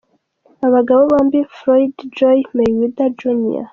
Aba bagabo bombi, Floyd Joy Mayweather Jr.